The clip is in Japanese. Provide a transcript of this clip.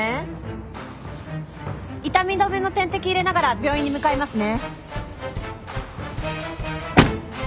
痛み止めの点滴入れながら病院に向かいますね。